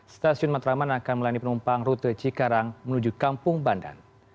stasiun matraman akan melayani penumpang rute cikarang menuju kampung bandan